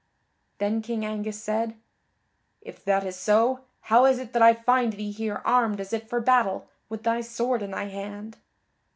Then King Angus said: "If that is so, how is it that I find thee here armed as if for battle, with thy sword in thy hand?"